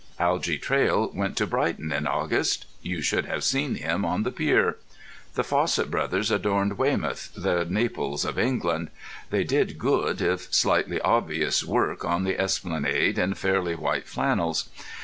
Algy Traill went to Brighton in August; you should have seen him on the pier. The Fossett Brothers adorned Weymouth, the Naples of England. They did good, if slightly obvious, work on the esplanade in fairly white flannels.